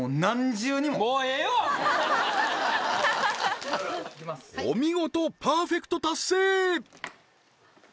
ははははっお見事パーフェクト達成！